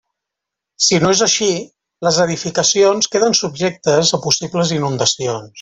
Si no és així, les edificacions queden subjectes a possibles inundacions.